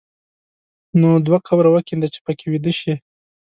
نو دوه قبره وکینده چې په کې ویده شې.